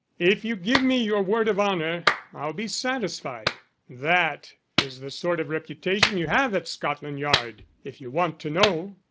If you give me your word of honour I'll be satisfied. That is the sort of reputation you have at Scotland Yard if you want to know."